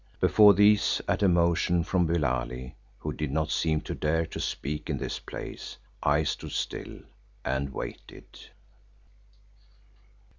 Before these at a motion from Billali, who did not seem to dare to speak in this place, I stood still and waited.